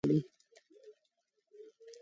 ایمان یوازېنی لامل دی چې برکت راوړي